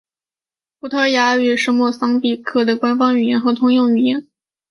葡萄牙语是莫桑比克的官方语言和通用语言。